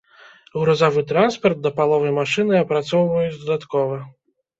Грузавы транспарт да паловы машыны апрацоўваюць дадаткова.